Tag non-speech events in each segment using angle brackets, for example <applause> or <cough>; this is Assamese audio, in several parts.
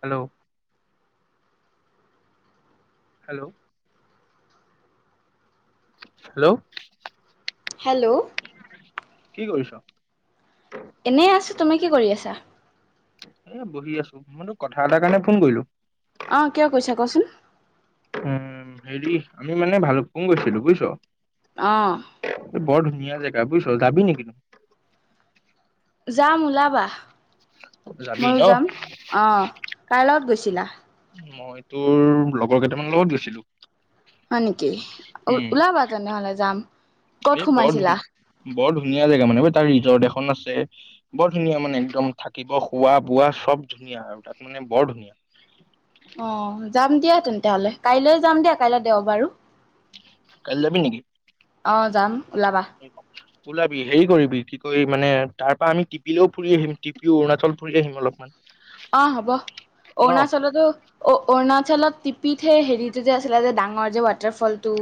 হেল্ল' হেল্ল' হেল্ল' হেল্ল' কি কৰিছ এনেই আছো তুমি কি কৰি আছা এ বহি আছো মই তোক কথা এটাৰ কাৰণে ফোন কৰিলো অ কিয় কৈছা কচোন উ হেৰি আমি মানে ভাল ফোন গৈছিলো বুজিছ আহ এই বৰ ধুনীয়া জেগা বুজছ যাবি নেকন্তু যামওলাবা যাবি ময়ো ন যাম আহ কাইলত গৈছিলা মই তোৰ লগৰ কেইটামান লগত গৈছিলো হয় নেকি উম ওলাবা তেনেহলে যাম ক'ত এই বৰ সোমাইছিলা ধুন বৰ ধুনীয়া জেগা মানে ব তাৰ জৰ্ দে এখন আছে বৰ ধুনীয়া মানে একদম থাকিব খোৱা বোৱা চব ধুনীয়া আৰু তাত মানে বৰ ধুনীয়া অ যাম তেয় তেন্ত হ'লে কাইলৈ যাম দেিয়া কাইলৈ দেও বাৰু কাল যাবি নেকি অ যাম ওলাবা ওলাবি হেৰি কৰিবি কি কি মানে তাৰ পৰা আমি টিপিলেও ফুৰি আহিম টিপি অৰুণাচল ফুৰি আহিম অলপমান অ হ'ব ন অৰুণাচলতো অ অৰুণাল তাৰচলত টিপিত সেই হেৰিটো যে আছিলে যে ডাঙৰ যে ৱাটাৰফলটো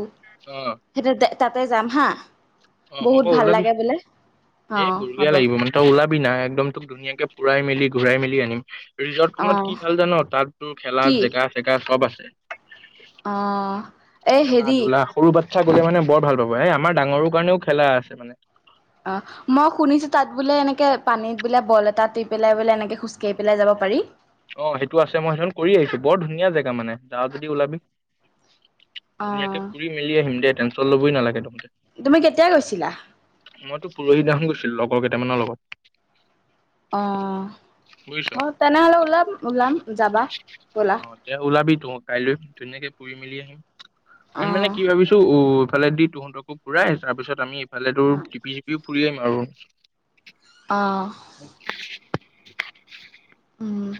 অ সেইটো তাতে যাম হা অ হ'ব বহুত ভাল ওলাবি লাগে বোলে অ এই বৰ্গীয়া হ'ব লাগিব মানে তই ওলাবি নাই একদম তোক ধুনীয়াকে পুৰাই মেলি ঘূৰাই মেলি আনিম ৰিজৰ্ট অ খনত কি ভাল জান তাত তোৰ খেলা কি জেকা চেকা চব আছে <inaudible> অ', এই খেলা হেৰি ধূলা সৰু বা থাক মানে বৰ ভাল পাব এ আমাৰ ডাঙৰ কাৰণেও খেলা আছে মানে অ মই শুনিছো তাত বোলে এনেকে পানীত বোলে বল এটা দি পেলাই বোলে এনেকে খোজকাঢ়ি পেলাই যাব পাৰি অ সেইটো আছে, মই সেইখন কৰি আহিছো বৰ ধুনীয়া জেগা মানে, যাআ যদি ওলাবি অ', ধুনীয়াকে ফুৰি মেলি আহিম দে টেনশন ল ই নালাগে তুমি কেতিয়া গৈছিলা? মইতো পুৰহি যাম গৈছিলো লগৰ কেইটামানৰ লগত। অ,। বুজিছ অ তেনেহলে ওলাম ওলাম যাবা বলা। ত কাইলৈ ধুনীয়াকে ফুৰি মেলি আহিম। আমি মানে অ'। কি ভাবিছো উ, অলৰেডি তহঁতকো আহ তাৰপিছত আমি ভালে টোৰ অ', পিয়েপিও ফুৰিম আৰু অঁ। উম।